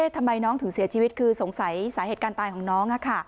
ทำไมน้องถึงเสียชีวิตคือสงสัยสาเหตุการตายของน้อง